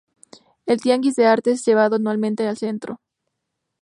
El Tianguis de Arte es llevado anualmente al centro.